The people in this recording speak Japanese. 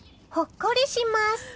ほっこりします。